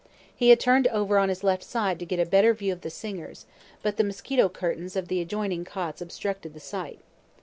He had turn'd over on his left side to get a better view of the singers, but the mosquito curtains of the adjoining cots obstructed the sight.